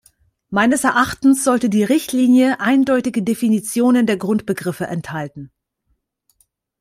Meines Erachtens sollte die Richtlinie eindeutige Definitionen der Grundbegriffe enthalten.